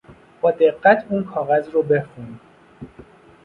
با دقت اون کاغذ رو بخون